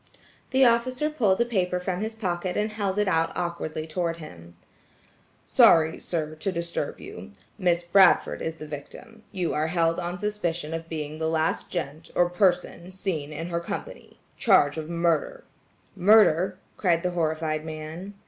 The officer pulled a paper from his pocket and held it out awkwardly toward him: "Sorry, sir, to disturb you. Miss Bradford is the victim; you are held on suspicion being the last gent, or person, seen in her company. Charge of murder!" "Murder!" cried the horrified man.